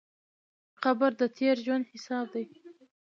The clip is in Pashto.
قبر د تېر ژوند حساب دی.